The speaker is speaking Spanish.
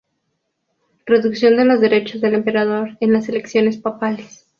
Reducción de los derechos del emperador en las elecciones papales.